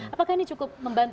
apakah ini cukup membantu